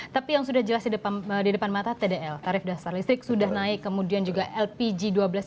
tapi yang sudah jelas di depan mata tdl tarif dasar listrik sudah naik kemudian juga lpg dua belas